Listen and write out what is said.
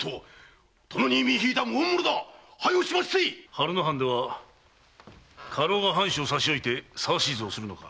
榛名藩では家老が藩主を差し置いて指図をするのか？